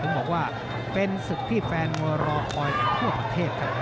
คือบอกกว่าเป็นสิทธิ์ที่แฟนหัวรอคอยกังทั่วประเทศครับค่ะ